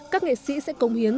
các nghệ sĩ sẽ công hiến